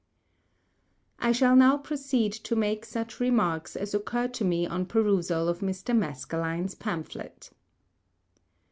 I shall now proceed to make such Remarks as occur to me on Perusal of Mr. _Maskelyne_ŌĆÖs Pamphlet.